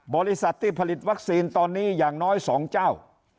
บริษัทที่ผลิตวัคซีนตอนนี้อย่างน้อย๒เจ้า